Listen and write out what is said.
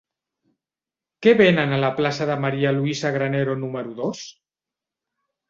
Què venen a la plaça de María Luisa Granero número dos?